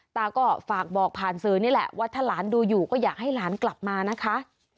ตาก็ฝากบอกผ่านสื่อนี่แหละว่าถ้าหลานดูอยู่ก็อยากให้หลานกลับมานะคะ